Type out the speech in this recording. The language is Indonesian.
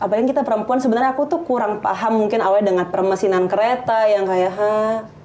apalagi kita perempuan sebenarnya aku tuh kurang paham mungkin awalnya dengan permesinan kereta yang kayak